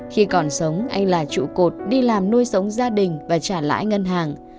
khi còn sống anh là trụ cột đi làm nuôi sống gia đình và trả lãi ngân hàng